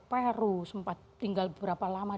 peru sempat tinggal berapa lama